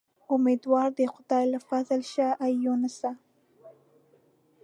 امیدوار د خدای له فضله شه اې یونسه.